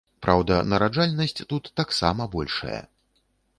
Праўда, нараджальнасць тут таксама большая!